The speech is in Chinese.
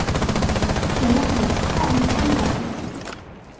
首府磅清扬。